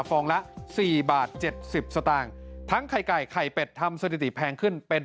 ฟองละ๔บาท๗๐สตางค์ทั้งไข่ไก่ไข่เป็ดทำสถิติแพงขึ้นเป็น